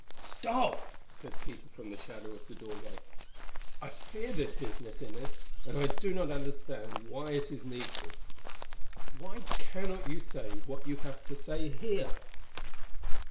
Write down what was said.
"Stop," said Peter from the shadow of the doorway, "I fear this business, Inez, and I do not understand why it is needful. Why cannot you say what you have to say here?"